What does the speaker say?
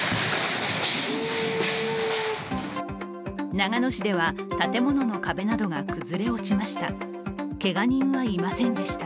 長野市では建物の壁などが崩れ落ちました。